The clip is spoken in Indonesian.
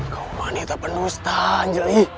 kau wanita penuh setahan anjali